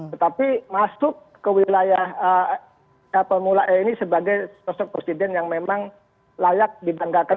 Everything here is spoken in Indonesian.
tetapi masuk ke wilayah formula e ini sebagai sosok presiden yang memang layak dibanggakan